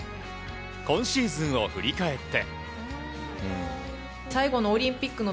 今シーズンを振り返って。